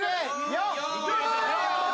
４。